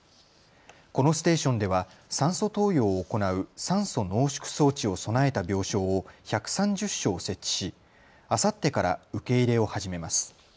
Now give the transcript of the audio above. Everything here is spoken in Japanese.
このステーションでは酸素投与を行う酸素濃縮装置を備えた病床を１３０床設置しあさってから受け入れを始めます。